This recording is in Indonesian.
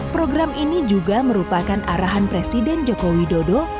program ini juga merupakan arahan presiden joko widodo